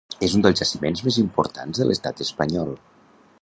És un dels jaciments més importants de l'Estat espanyol.